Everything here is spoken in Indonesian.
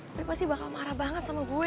tapi pasti bakal marah banget sama gue